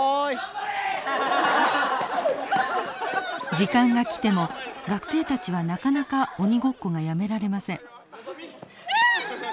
時間が来ても学生たちはなかなか鬼ごっこがやめられません。